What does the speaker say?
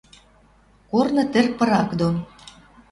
Корны тӹр пырак дон.